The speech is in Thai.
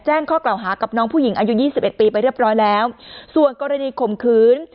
ข้อกล่าวหากับน้องผู้หญิงอายุยี่สิบเอ็ดปีไปเรียบร้อยแล้วส่วนกรณีข่มขืน